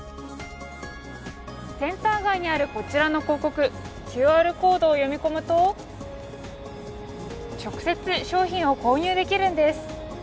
センター街にあるこちらの広告ＱＲコードを読み込むと直接、商品を購入できるんです。